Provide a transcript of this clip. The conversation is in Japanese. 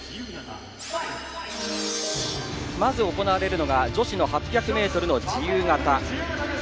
まず行われるのが女子の８００ｍ自由形。